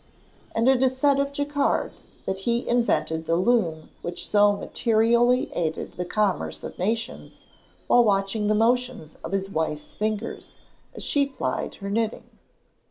And it is said of Jacquard, that he invented the loom which so materially aided the commerce of nations, while watching the motions of his wife's fingers, as she plied her knitting.